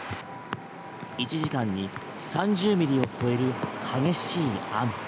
１時間に３０ミリを超える激しい雨。